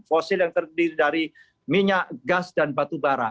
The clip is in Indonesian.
fosil yang terdiri dari minyak gas dan batu bara